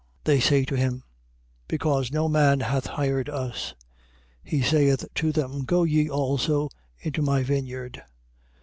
20:7. They say to him: Because no man hath hired us. He saith to them: Go ye also into my vineyard.